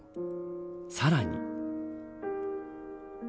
さらに。